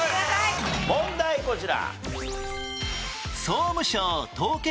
問題こちら。